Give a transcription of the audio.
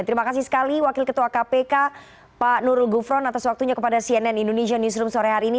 terima kasih sekali wakil ketua kpk pak nurul gufron atas waktunya kepada cnn indonesia newsroom sore hari ini